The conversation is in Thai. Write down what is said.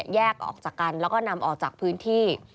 แยกออกจากกันแล้วก็นำออกจากพื้นที่